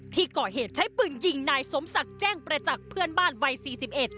ที่ก่อเหตุใช้ปืนยิงนายสมศักดิ์แจ้งประจักษ์เพื่อนบ้านวัยสี่สิบเอ็ด